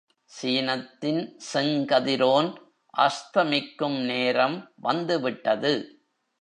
சீனத்தின் செங்கதிரோன் அஸ்தமிக்கும் நேரம் வந்து விட்டது.